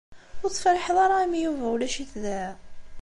Ur tefṛiḥed ara imi Yuba ulac-it da?